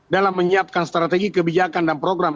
dalam menyiapkan strategi kebijakan dan program